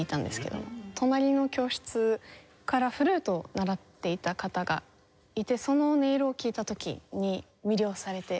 隣の教室からフルートを習っていた方がいてその音色を聴いた時に魅了されて。